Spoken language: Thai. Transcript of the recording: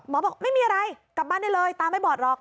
บอกไม่มีอะไรกลับบ้านได้เลยตาไม่บอดหรอก